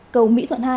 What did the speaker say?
cầu mỹ thuận hai